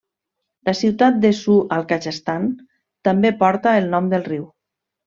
La ciutat de Ču al Kazakhstan també porta el nom del riu.